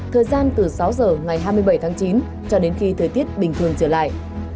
thời gian từ sáu giờ ngày hai mươi bảy tháng chín cho đến khi thời tiết bình thường trở lại